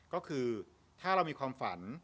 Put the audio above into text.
ก็คือถ้าเรามีความฝัน